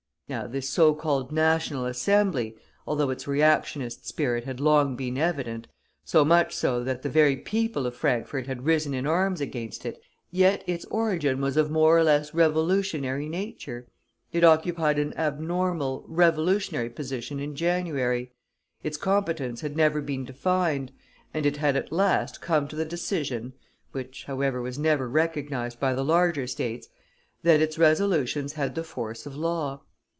Now, this so called National Assembly, although its reactionist spirit had long been evident, so much so that the very people of Frankfort had risen in arms against it, yet its origin was of more or less revolutionary nature; it occupied an abnormal, revolutionary position in January; its competence had never been defined, and it had at last come to the decision which, however, was never recognized by the larges States that its resolutions had the force of law.